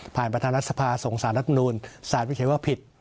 ผ่านประธานรัฐสภาส่งสารรัฐมนุนสารวิเคราะห์ว่าผิด